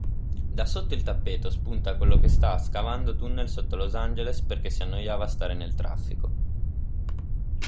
Da sotto il tappeto spunta quello che sta scavando tunnel sotto Los Angeles perché si annoiava a stare nel traffico.